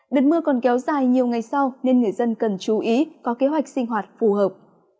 đợt mưa còn kéo dài nhiều ngày sau nên người dân cần chú ý có kế hoạch sinh hoạt phù hợp